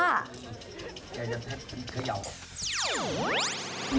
คนนี้ดีขวา